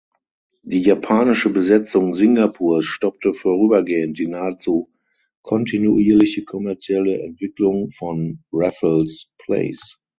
Die japanische Besetzung Singapurs stoppte vorübergehend die nahezu kontinuierliche kommerzielle Entwicklung von Raffles Place.